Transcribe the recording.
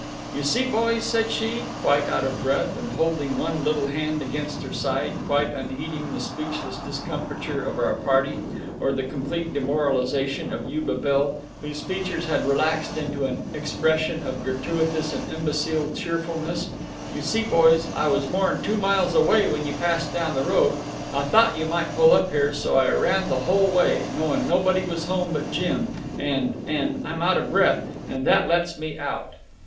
"You see, boys," said she, quite out of breath, and holding one little hand against her side, quite unheeding the speechless discomfiture of our party, or the complete demoralization of Yuba Bill, whose features had relaxed into an expression of gratuitous and imbecile cheerfulness "you see, boys, I was mor'n two miles away when you passed down the road. I thought you might pull up here, and so I ran the whole way, knowing nobody was home but Jim, and and I'm out of breath and that lets me out."